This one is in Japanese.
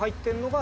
が